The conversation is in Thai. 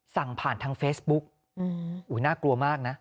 สั่งผ่านทางเฟซบุ๊กน่ากลัวมากนะ